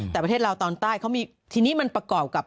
แต่ประเทศลาวตอนใต้เขามีทีนี้มันประกอบกับ